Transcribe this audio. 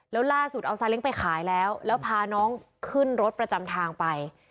แล้วล่าสุดเอาซาเล้งไปขายแล้วแล้วพาน้องขึ้นรถประจำทางไป